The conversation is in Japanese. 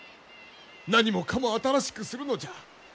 何もかも新しくするのじゃ！